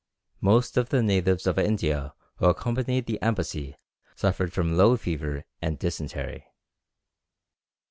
Most of the natives of India who accompanied the embassy suffered from low fever and dysentery.